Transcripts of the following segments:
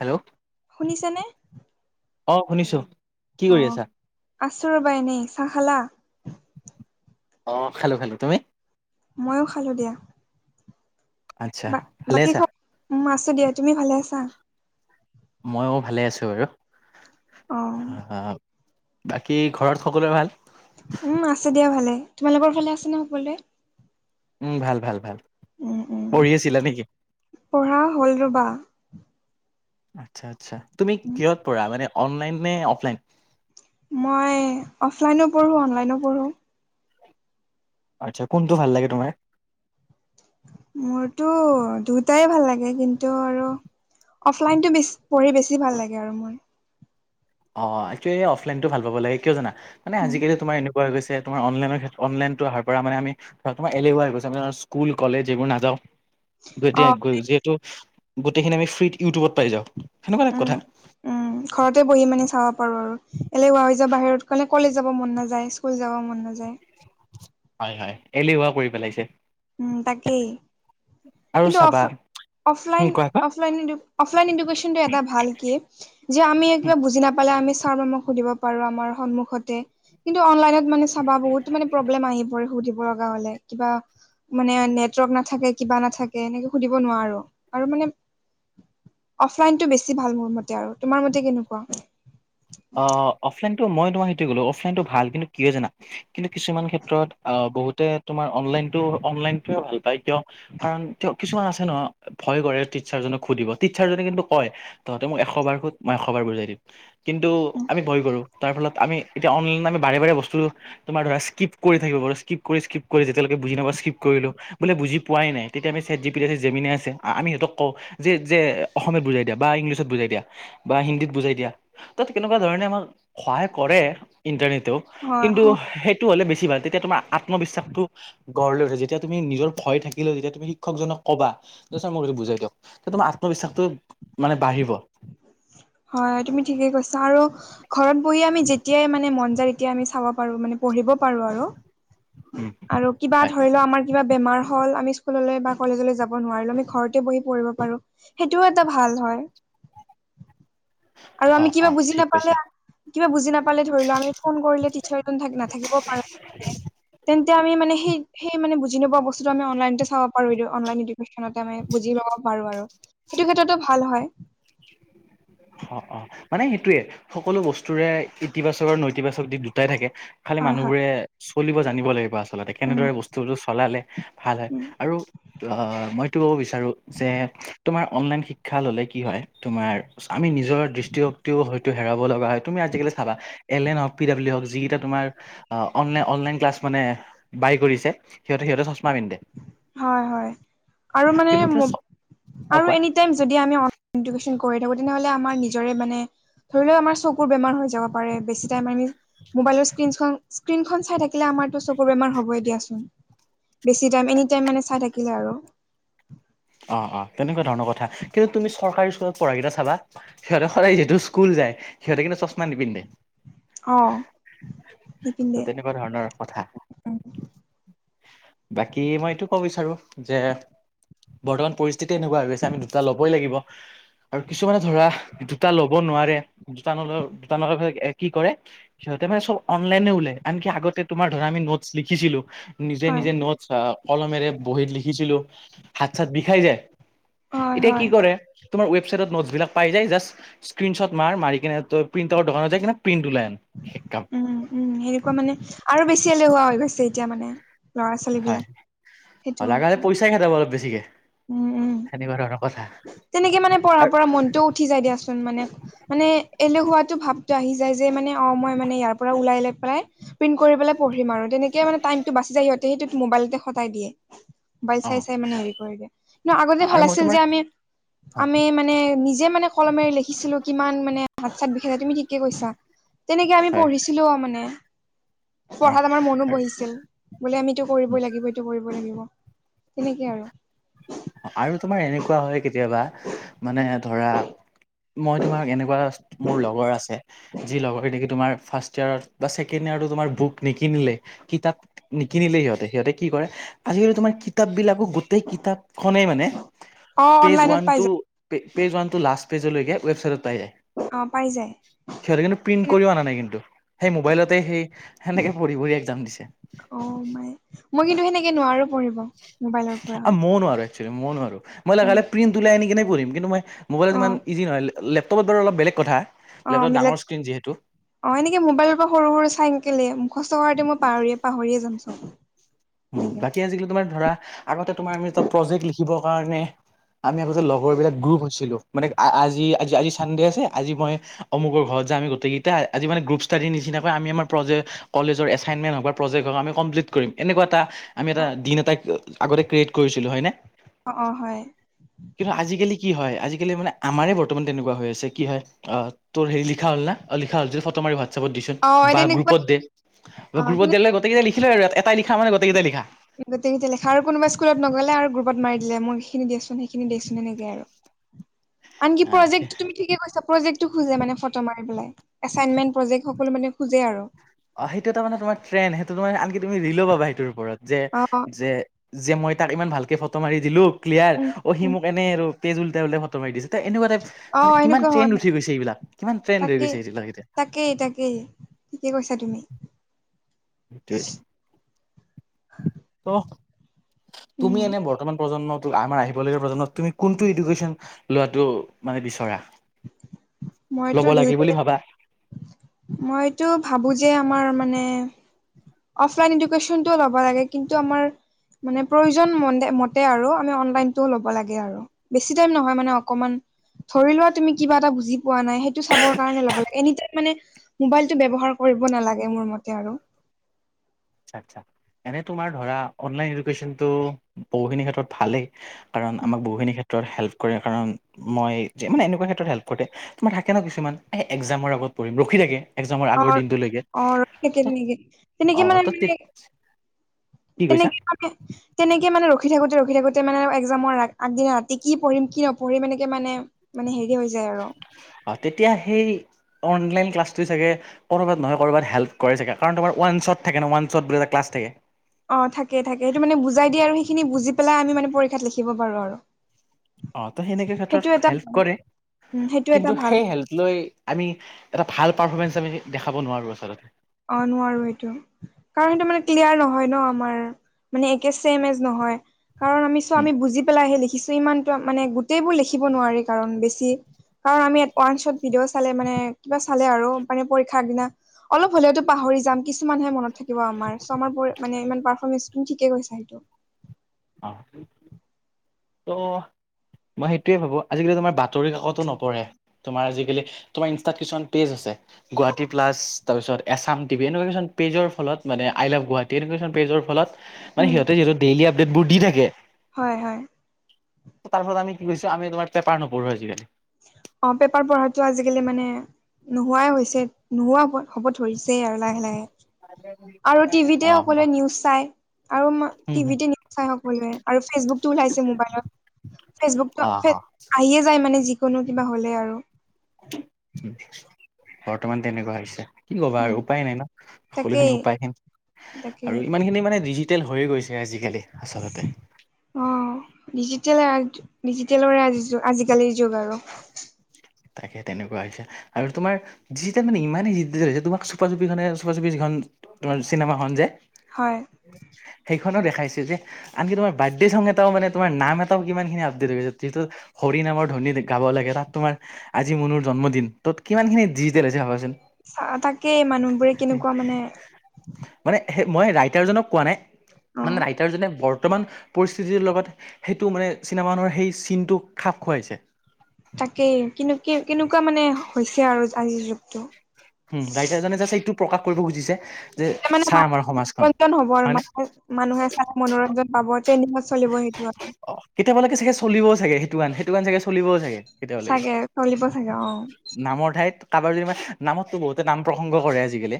Hello. শুনিছেনে? অঁ' শুনিছোঁ, কি কৰি অ', আছা? আছো ৰবা এনেই, চাহ খালা? অঁ' খালোঁ খালোঁ, তুমি? মইয়ো খালো দিয়া। আচ্ছা বা ভালে বাকী আছা খ, মই আছোঁ দিয়া, তুমি ভালে আছা? মইও ভালে আছো বাৰু, অ', আহ' বাকী ঘৰত সকলোৱে ভাল? উম আছে দিয়া ভালে, তোমালোকৰ ভালে আছে নে সকলোৱে? উম ভাল ভাল ভাল, উম, উম, পঢ়ি আছিলা নেকি? পঢ়া হ'ল ৰবা আটচ্ছা আটচ্ছা, তুমি কিহত পঢ়া মানে অনলাইন নে অফলাইন? মই অফলাইনো পঢ়োঁ, অনলাইনো পঢ়োঁ আটচ্ছা কোনটো ভাল লাগে তোমাৰ? মোৰতো দুটাই ভাল লাগে কিন্তু আৰু অফলাইনটো বেছ পঢ়ি বেছি ভাল লাগে আৰু মই অ একচোৱেলি অফলাইনটো ভাল পাব লাগে কিয় জানা মানে উম, আজিকালি তোমাৰ এন কোৱা হৈ গৈছে তোমাৰ অনলাইনৰ অনলাইনটো অহাৰ পৰা মানে আমি তোমাৰ এলেহুৱা হৈ গৈছে স্কুল, কলেজ এইবোৰ নাযাও গতিয়া অ', যিহেতু গোটেইখিনি আমি ফ্ৰীত ইউটিউবত পাই যাওঁ। সেনেকুৱা এটা উম। কথা উম ঘৰতে বহি মানে চাব পাৰো আৰু এলেহুৱা হৈ যোৱা বাহিৰত কলে কলেজ যাব মন নাযায়, স্কুল যাব মন নাযায় হয় হয় একেহুৱা কৰি পেলাইছে। উম তাকেই আৰু কিন্তু অফ চাবা অফলাইন উম কোৱা কোৱা অফলাইন ইডু অফলাইন এডুকেশ্বনটো এটা ভাল কি যে আমি উম, কিবা বুজি নেপালে আমি ছাৰ-মেমক সুধিব পাৰোঁ আমাৰ সন্মুখতে কিন্তু অনলাইনত মানে চাবা বহুত মানে প্ৰব্লেম আহি পৰে সুধিব লগা হলে কিবা মানে নেটৱৰ্ক নাথাকে, কিবা নাথাকে এনেকে সুধিব নোৱাৰো আৰু মানে অফলাইনটো বেছি ভাল মোৰ মতে আৰু তোমাৰ মতে কেনেকুৱা? অ অফলাইনটো মই তোমাক সেইটোৱে ক'লোঁ অফলাইনটো ভাল কিন্তু কিয় জানা কিন্তু কিছুমান ক্ষেত্ৰত আ বহুতে তোমাৰ অনলাইনটো অনলাইনটোয়ে ভাল পায় কিয় কাৰণ তেওঁ কিছুমান আছে ন ভয় কৰে টিচাৰজনক সুধিব, টিচাৰজনে কিন্তু কয় তহঁতে মোক এশ বাৰ শুধ মই এশ বাৰ বুজাই দিম কিন্তু আমি ভয় কৰো তাৰ ফলত আমি এতিয়া অনলাইনত বাৰে বাৰে বস্তু তোমাৰ ধৰা স্কিপ কৰি থাকিব পাৰোঁ, স্কিপ কৰি স্কিপ কৰি যেতিয়ৈকে বুজি নেপাও স্কিপ কৰিলো বোলে বুজি পোৱাই নাই তেতিয়া আমি চেট জি পি, জে মি নাৰ আছে আমি সিতক কওঁ যে যে অসমীয়াত বুজাই দিয়া বা ইংলিছত বুজাই দিয়া বা হিন্দীত বুজাই দিয়া ত তেনেকুৱা ধৰণে আমাক সহায় কৰে ইণ্টাৰনেতেও হয় কিন্তু হয় সেই সেটো হ'লে বেছি ভাল তেতিয়া তোমাৰ আত্মবিশ্বাসটো গঢ় লৈ উঠে। যেতিয়া তুমি নিজৰ ভয় থাকিলেও তেতিয়া তুমি শিক্ষকজনক কবা যে ছাৰ মোক এইটো বুজাই দিয়ক তেতিয়া তোমাৰ আত্মবিশ্বাসটো মানে বাঢ়িব হয় তুমি ঠিকে কৈছা আৰু ঘৰত বহি আমি যেতিয়াই মানে মন যায় এতিয়া আমি চাব পাৰো, মানে পঢ়িব পাৰো আৰু। উম আৰু কিবা হয় ধৰি ল আমাৰ কিবা বেমাৰ হ'ল আমি স্কুললে বা কলেজলে যাব নোৱাৰিলো, আমি ঘৰতে বহি পঢ়িব পাৰো সেইটোও এটা ভাল হয়। আৰু অ আমি কিবা অ বুজি ঠিক কৈছা নাপালে কিবা বুজি নাপালে ধৰি লোৱা আমি ফোন কৰিলে টিচাৰ জন থা নাথাকিবও পাৰে মানে তেন্তে আমি মানে সেই সেই মানে বুজি নোপোৱা বস্তুটো আমি অনলাইনতে চাব পাৰোঁ এইটো অনলাইন ইডুকেচন আচলতে মানে বুজি লব পাৰো আৰু সেইটো ক্ষেত্ৰতো ভাল হয়। অ অ মানে সেইটোয়ে সকলো বস্তুৰে ইতিবাচক আৰু নৈতিবাচক দিশ দুটাই থাকে খালি হয় হয় মানুহবোৰে চলিব জানিব লাগিব আচলতে উম কেনেদৰে বস্তুটো চলালে ভাল হয় উম আৰু মইতো বিচাৰো যে তোমাৰ অনলাইন শিক্ষা ললে কি হয় তোমাৰ আমি নিজৰ দৃষ্টিশক্তিও হয়তো হেৰাব লগা হয়, তুমি আজিকালি চাবা এল এ হওক পি ডাব্লিউ হওক যিকেইটা তোমাৰ অনলাই-অনলাইন ক্লাছ মানে বাই কৰিছে সিহঁতে সিহঁতে চশমা পিন্ধে, হয় হয় কিন্তু তুমি-চ, অ', কোৱা। থাকিম যদি আমি অনলাইন ইডুকেশ্বন কৰি থাকোঁ তেনেহ'লে আমাৰ নিজৰে মানে ধৰি লোৱা আমাৰ চকুৰ বেমাৰ হৈ যাব পাৰে বেছি টাইম আমি, মোবাইলৰ স্ক্ৰীনখন, স্ক্ৰীনখন চাই থাকিলে আমাৰতো চকুৰ বেমাৰ হ'বই দিয়াচোন। বেছি টাইম, এনি টাইম মানে চাই থাকিলে আৰু। অ'-অ', তেনেকুৱা ধৰণৰ কথা, কিন্তু তুমি চৰকাৰী স্কুলত পঢ়া কেইটা চাবা সিহঁতে সদায় যিহেতু স্কুল যায়, সিহঁতে কিন্তু চশমা নিপিন্ধে। অ', নিপিন্ধে। এনেকুৱা ধৰণৰ কথা, বাকী মই এইটো ক'ব বিচাৰোঁ‌ যে বৰ্তমান পৰিস্থিতি এনেকুৱা হৈ গৈছে আমি দুটা লবই লাগিব। আৰু কিছুমানে ধৰা দুটা ল'ব নোৱাৰে, দুটা নলয়, দুটা নলয় পেলাই কি কৰে সিহঁতে মানে চব অনলাইনে ওলাই, আনকি আগতে তোমাৰ ধৰা আমি নোটছ লিখছিলোঁ‌। নিজে হয় নিজে নোটছ আ, কলমেৰে বহীত লিখিছিলোঁ‌, হাত-চাত বিষাই যায়। হয় এতিয়া হয় কি কৰে, তোমাৰ ৱেবচাইটত নোটছ বিলাক পাই যায় জাষ্ট স্ক্ৰীণ শ্বট মাৰ, মাৰি কিনে তই প্ৰিণ্টাৰৰ দোকানত যাই কিনে প্ৰিণ্ট ওলাই আন, শেষ কাম। উম উম সেনেকুৱা মানে আৰু বেছি এলেহোৱা হৈ গৈছে এতিয়া মানে। ল'ৰা-ছোৱালী বিলাক সেইটোপা। থাকে সিহঁতৰ মাজত বেছিকে, সেনেকুৱা ধৰণৰ কথা। তেনেকে মানে পঢ়া আৰু পৰা মনটোও উঠি যায় দিয়াচোন মানে। মানে এলেহুৱাটো ভাৱটো আহি যায় যে মানে অ', মই মানে ইয়াৰ পৰা ওলাই লৈ পেলাই প্ৰিন্ট কৰি পেলাই পঢ়িম আৰু তেনেকে মানে টাইমটো বাচি যায়, সিহঁতে সেইটোত মোবাইলতে খটাই দিয়ে। ম'বাইল অ চাই চাই মানে হেৰি কৰি দিয়ে, কিন্তু আগতে আৰু ভাল মই আছিল তোমাৰ যে আমি অ আমি মানে নিজে মানে কলমেৰে লিখিছিলোঁ‌, কিমান মানে হাত চাত বিষাই তুমি ঠিকে কৈছা। তেনেকে আমি হয় পঢ়িছিলোও মানে। অ পঢ়াত আমাৰ মনো বহিছিল, বোলে আমি এইটো কৰিবই লাগিব, এইটো কৰিবই লাগিব, তেনেকে আৰু। আৰু তোমাৰ এনেকুৱা হয় কেতিয়াবা মানে ধৰা মই তোমাক এনেকুৱা মোৰ লগৰ আছে, যি লগৰ নি- কি তোমাৰ ফাৰ্ষ্ট ইয়েৰত বা ছেকেণ্ড ইয়েৰতো তোমাৰ বুক নিকিনিলেই, কিতাপ নিকিনিলেই সিহঁতে, সিহঁতে কি কৰে আজি কালি তোমাৰ কিতাপ বিলাকো গোটেই কিতাপ খনেই মানে, অ পেজ অনলাইনত ওৱান পাই টু, যায় পেজ ওৱান টু লাষ্ট পেজলৈকে ৱেবচাইটত পাই যায়। অ', পাই যায়। সিহঁতে কিন্তু প্ৰিণ্ট কৰি অনা নাই কিন্তু, সেই মোবাইলতে সেই সেনেকে পঢ়ি পঢ়ি একজাম দিছে। অ', মাই, মই কিন্তু সেনেকে নোৱাৰোঁ‌। আহ, মই নোৱাৰোঁ‌ একশ্যৱেলি, মই নোৱাৰোঁ‌, মই উম লগালে প্ৰিণ্ট ওলাই আনি কিনে পঢ়িম, কিন্তু মই অ মোবাইলত ইমান ইজি নহয়, লেপ-লেপটপত ধৰ অলপ বেলেগ কথা। অ', লেপটপ ডাঙৰ মিলেক স্ক্ৰীণ যিহেতু অ', এনেকে মোবাইলৰ পৰা সৰু সৰু চাইন কেলে মুখস্থ কৰাতে মই পাহৰিয়ে, পাহৰিয়ে যামচোন। উম, বাকী আজিকালি তোমাৰ ধৰা, আগতে তোমাৰ আমি এটা প্ৰজেক্ট লিখিবৰ কাৰণে আমি আগতে লগৰবিলাক গ্ৰুপ হৈছিলোঁ। মানে আ-আজি, আজি, আজি চানডে আছে আজি মই অমুকৰ ঘৰত যাম আমি গোটেই কেইটাই আজি মানে গ্ৰুপ ষ্টাডি নিচিনাকৈ আমি আমাৰ প্ৰজেক্ট, কলেজৰ এছাইমণ্ট হক বা প্ৰজেক্ট হক আমি কমপ্লিট কৰিম। এনেকুৱা এটা, আমি এটা অ দিন এটা আগতে ক্ৰিয়েট কৰিছিলোঁ‌, হয়নে? অ'-অ' হয়। কিন্তু আজিকালি কি হয় আজিকালি মানে আমাৰে বৰ্তমান তেনেকুৱা হৈ আছে কি হয় অ তোৰ হেৰি লিখা হ'ল না অ লিখা হ'ল যে ফটো মাৰি ভাত হোৱাটচএপত দেচোন অ বা তেনেকুৱা গ্ৰুপত দে অ গ্ৰুত দিয়ালে গোটেই কেইটাই লিখিলয় আৰু এটা লিখা মানে গোটেই কেইটাই লিখা গোটেইখিনি লিখাৰ আৰু কোনোবাই স্কুলত গোটেইকেইটা লেখা আৰু কোনোবাই স্কুলত নগ'লে আৰু গ্ৰুপত মাৰি দিলে মোক সেইখিনি দিয়াচোন সেইখিনি দিয়াচোন এনেকে আৰু আনকি প্ৰজেক্ট তুমি ঠিকে কৈছা প্ৰজেক্টটো খোজে মানে ফটো মাৰি পেলায় এছাইনমেণ্ট প্ৰজেক্ট সকলো মানে খোজে আৰু অ সেইটো এটা মানে তোমাৰ ট্ৰেণ্ড সেইটো মানে আনকি তুমি ৰিলও পাবা সেইটোৰ ওপৰত যে অ যে যে মই তাক ইমান ভালকে ফটো মাৰি দিলো ক্লিয়াৰ উম অ সি উম মোক এনেই আৰু তেজ উলটাই উলতাই ফটো মাৰি দিছো তাই এনেকুৱা টাইপ অ মানে কিমান সেনেকুৱা ট্ৰেইন হয় উঠি গৈছে এইবিলাক কিমান ট্ৰেইন ৰৈ তাকেই গৈছে [unintelligible] তাকেই তাকেই ঠিকে কৈছা তুমি? তে ত উম তুমি এনে বৰ্তমান প্ৰজন্মক তো আমাৰ আহিব লগীয়া প্ৰজন্মত তুমি কোনটো এডুকেশ্যন লোৱাটো মানে বিচৰা মইতো ল'ব লাগে বুলি দুইটাই ভাবা মইতো ভাবো যে আমাৰ মানে অফলাইন এডুকেশ্যনটোও ল'ব লাগে কিন্তু আমাৰ মানে প্ৰয়োজন মন্দে মতে আৰু আমি অনলাইনটো ল'ব লাগে আৰু। বেছি টাইম নহয় মানে অকমান ধৰি লোৱা তুমি কিবা এটা বুজি পোৱা নাই সেইটো চাবৰ কাৰণে ল'ব লাগে এনি টাইম মানে মোবাইলটো ব্যৱহাৰ কৰিব নালাগে মোৰ মতে আৰু। আচ্ছা আচ্ছা, এনে তোমাৰ ধৰা অনলাইন এডুকেশ্যনটো বহুখিনিৰ ক্ষেত্ৰত ভালেই। কাৰণ আমাক বহুখিনি ক্ষেত্ৰত হেল্প কৰে কাৰণ মই যে মানে এনেকুৱা ক্ষেত্ৰত হেল্প কৰে। তোমাৰ থাকে ন কিছুমান, এ একজামৰ আগত পঢ়িম ৰখি থাকে। এক্সামৰ অ আগৰ দিনটোলৈকে অ তে ত তেনেকে তেনেকে অ মানে ত আমি তে- কি কি কৈছা তেনেকে আমি তেনেকে মানে ৰখি থাকোঁতে ৰখি থাকোঁতে মানে একজামৰ আগদিনা ৰাতি কি পঢ়িম কি নপঢ়িম এনেকে মানে মানে হেৰি হৈ যায় আৰু অ তেতিয়া সেই অনলাইন ক্লাছটো চাগে ক'ৰবাত নহয় ক'ৰবাত হেল্প কৰে চাগে কাৰণ তোমাৰ ৱান চট থাকে ন ৱান চট বুলি এটা ক্লাছ থাকে। অ থাকে থাকে সেইটো মানে বুজাই দিয়ে আৰু সেইখিনি বুজি পেলাই আমি মানে পৰীক্ষাত লিখিব পাৰো আৰু। অ তো সেনেকে সেইটো ক্ষেত্ৰত এটা ভাল হেল্প কৰে উম সেইটো এটা কিন্তু ভাল সেই হেল্প লৈ আমি এটা ভাল পাৰফৰ্মেঞ্চ আমি দেখাব নোৱাৰোঁ আচলতে। অ নোৱাৰো এইটো। কাৰণ সেইটো মানে ক্লিয়াৰ নহয় ন আমাৰ মানে একে চেম এজ নহয়। কাৰণ আমি চ উম, আমি বুজি পেলাইহে লিখিছো, ইমানতো মানে গোটেইবোৰ লিখিব নোৱাৰি কাৰণ বেছি কাৰণ আমি ইয়াত ওৱান শ্বট ভিডিঅ' চালে মানে কিবা চালে আৰু মানে পৰীক্ষাৰ আগ দিনা হলেতো পাহৰি যাম কিছুমানহে মনত থাকিব আমাৰ, চ' আমাৰ মানে ইমান পাৰফৰ্মেঞ্চ ঠিকে কৈছ সেইটো। অ ত মই সেইটোৱে ভাবোঁ, আজিকালি তোমাৰ বাতৰি কাকতো নপঢ়ে? তোমাৰ আজিকালি তোমাৰ ইনষ্টাত কিছুমান পেজ আছে। গুৱাহাটী প্লাছ তাৰ পিছত এছাম টিভি এনেকুৱাই কিছুমান পেজৰ ফলত মানে আই লাভ গুৱাহাটী এনেকুৱাখন পেজৰ ফলত মানে উম সিহঁতে যিহেতু ডেইলি আপডেটবোৰ দি থাকে। হয় হয় তাৰ ফলত আমি কি কৰিছো, আমি তোমাৰ পেপাৰ নপঢ়োঁ আজিকালি? অ পেপাৰ পঢ়াটো আজিকালি মানে নোহোৱাই হৈছে, নোহোৱা হ'ব ধৰিছেই আৰু লাহে লাহে। আৰু অ টিভিতে সকলোৱে নিউজ চাই। আৰু মা', হুম হুম টিভিতে [unintelligible] চাই সকলোৱে। আৰু ফেচবুকটো ওলাইছে ম'বাইলত। ফেচবুকতো অ ফে, অ আহিয়ে যায় মানে যিকোনো কিবা হ'লে আৰু। বৰ্তমান তেনেকুৱা হৈছে। কি ক'বা আৰু উম উপায় নাই না। তাকেই সকলোখিনি উপায়হীন। তাকেই আৰু ইমানখিনি মানে ডিজি- টেল হৈয়ে গৈছে আজিকালি আচলতে। অ', ডিজিটেলে ডিজিটেলৰে আজি, আজিকালিৰ যুগ আৰু। তাকে তেনেকুৱা হৈছে। আৰু তোমাৰ যি তে মানে ইমানেই জিদ্দি হৈছে, তোমাক চুপা-চুপিখনে, চুপা-চুপি যিখন- তোমাৰ চিনেমাখন যে- হয়। সেইখনো দেখাইছে যে- আনকি তোমাৰ বাৰ্থডে চং এটাও মানে, তোমাৰ নাম এটাও কিমানখিনি আপডেট হৈ গৈছে। যিহেতু - হৰি নামৰ ধ্বনিত গাব লাগে, তাত তোমাৰ- আজি মনুৰ জন্মদিন, তত কিমানখিনি ডিজিটেল হৈছে ভাবাচোন। আ', তাকে মানুহবোৰে কেনেকুৱা মানে- মানে সেই, মই ৰাইটাৰজনক কোৱা নাই, অ মানে ৰাইটাৰজনে বৰ্তমান- পৰিস্থিতিৰ লগত সেইটো মানে চিনেমাখনৰ সেই চিনটোক খাপ খুৱাইছে। তাকে কেনু, কেনেকুৱা মানে হৈছে আৰু আজিৰ যুগটো। উম, ৰাইটাৰ জনে যে এইটো প্ৰকাশ কৰিব খুজিছে। [unintelligible] যে [unintelligible] চা আমাৰ সমাজখন [unintelligible] হ'ব আৰু হয়নে মানুহ? মানুহে চাই মনোৰঞ্জন পাব। ট্ৰেইনিঙত চলিব সেইটো আৰু। অ', কেতিয়াবালৈকে চাগে চলিব চাগে সে- সেইটো গান, সেইটো গান চাগে চলিবও চাগে, কেতিয়াবা লৈকে। চাগে চলিব চাগে অ নামৰ ঠাইত। কা'বাৰ যদি মানে, নামটো বহুতে নাম প্ৰসংগ কৰে আজিকালি।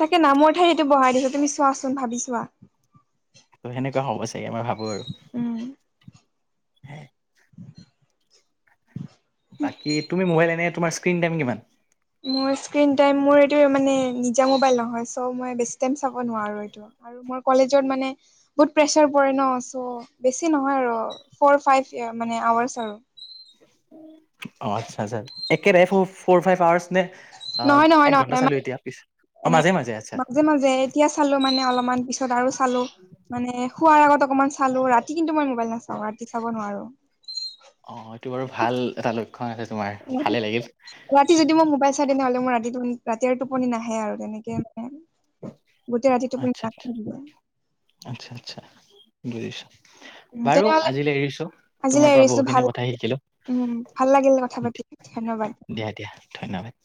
তাকে, নামৰ ঠাই এইটো বহাই দিছে, তুমি চোৱাচোন ভাবি চোৱা। ত', সেনেকুৱা হ'ব চাগে, মই ভাবোঁ আৰু। উম। [unintelligible] বাকী তুমি, ম'বাইল এনে তোমাৰ স্ক্ৰীণ টাইম কিমান? মোৰ স্ক্ৰীণ টাইম মোৰ এইটোৱে মানে, নিজা মোবাইল নহয়। চ' মই বেছি টাইম চাব নোৱাৰোঁ এইটো। আৰু মোৰ কলেজত মানে - বহুত প্ৰেচাৰ পৰে ন', চ' বেছি নহয় আৰু। ফৰ-ফাইভ এ' মানে আৱাৰ্চ আৰু। অ', আচ্ছা, আচ্ছা। একেদাৰে ফ-ফৰ-ফাইভ আৱাৰ্চ নে - অ', নহয় নহয় এক নহয় ঘণ্টা নহয় চালোঁ এতিয়া পিছ। অ' এনে মাজে মাজে, আচ্ছা। মাজে মাজে, এতিয়া চালোঁ মানে, অলপমান পিছত আৰু চালোঁ। মানে শোৱাৰ আগত অকণমান চালোঁ। ৰাত- তি কিন্তু মই ম'বাইল নাচাওঁ। ৰাতি চাব নোৱাৰোঁ। অ', এইটো বাৰু ভাল এটা লক্ষণ আছে তোমাৰ, ভালে লাগিল। ৰাতি যদি মই ম'বাইল চাই, তেনেহ'লে মই ৰাতি টোপনি, ৰাতি আৰু টোপনি নাহে আৰু, তেনেকে মানে। গোটেই ৰাতি আচ্ছা টোপনি আচ্ছা [unintelligible] আচ্ছা আচ্ছা, বুজিছোঁ। বাৰু তেনেহ'লে আজিলৈ এৰিছোঁ। আজিলৈ তোমাৰ পৰা এৰিছো ভাল বহুখিনি কথাই শিকিলোঁ। উম, ভাল লাগিলে কথা পাতি, ধন্যবাদ। দিয়া দিয়া ধন্যবাদ